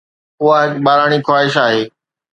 اها هڪ ٻاراڻي خواهش آهي.